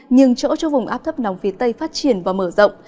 nhưng chỗ cho vùng áp thấp nóng phía tây phát triển và mở rộng